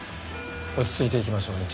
落ち着いていきましょう院長。